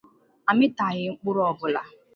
ámịtàghị mkpụrụ ọbụla